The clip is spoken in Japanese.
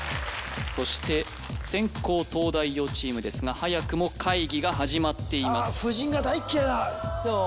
そして先攻東大王チームですが早くも会議が始まっています